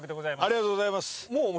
ありがとうございます。